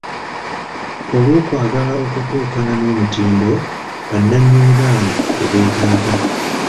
Olw’okwagala okutuukana n’omutindo bannannyini baana gwe beetaaga.